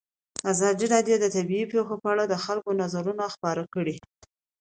ازادي راډیو د طبیعي پېښې په اړه د خلکو نظرونه خپاره کړي.